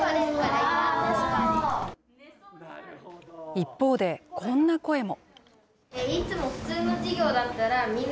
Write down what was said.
一方で、こんな声も。